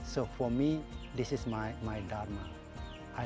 jadi untuk saya ini adalah dharma saya